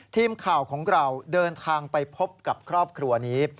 ทีมข่าวของเราเดินทางไปพบกับครอบครัวนี้